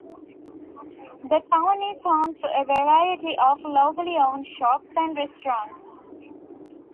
The town is home to a variety of locally owned shops and restaurants.